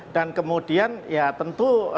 dan kemudian ya tentu